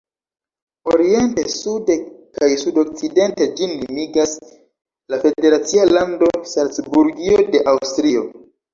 Oriente, sude kaj sudokcidente ĝin limigas la federacia lando Salcburgio de Aŭstrio.